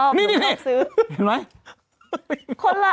เธอเลี่ยงมดซื้อนี่นี้เห็นไหม